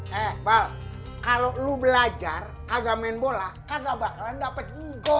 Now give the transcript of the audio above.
he bal kalau lu belajar kagak main bola kagak bakalan dapet jigo